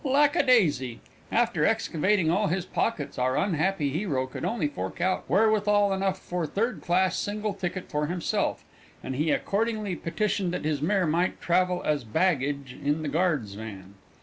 Lackadaisy! after excavating all his pockets, our unhappy hero could only fork out wherewithal enough for third class single ticket for himself, and he accordingly petitioned that his mare might travel as baggage in the guard's van.